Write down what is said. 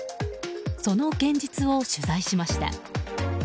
その現実を取材しました。